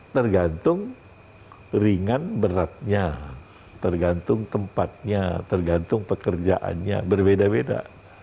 tergantung ringan beratnya tergantung tempatnya tergantung pekerjaannya berbeda beda